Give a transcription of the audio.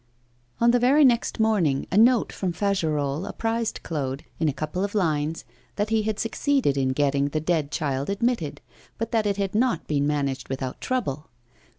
On the very next morning a note from Fagerolles apprised Claude, in a couple of lines, that he had succeeded in getting 'The Dead Child' admitted, but that it had not been managed without trouble.